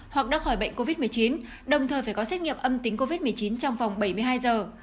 hoặc đã khỏi bệnh covid một mươi chín đồng thời phải có xét nghiệm âm tính covid một mươi chín trong vòng bảy mươi hai giờ